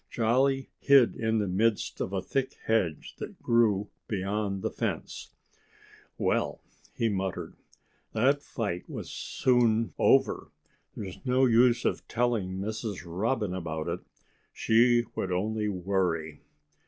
Jolly hid in the midst of a thick hedge that grew beyond the fence. "Well," he muttered, "that fight was soon over. There's no use of telling Mrs. Robin about it. She would only worry."